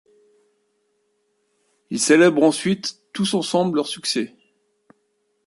Ils célèbrent ensuite tous ensemble leur succès.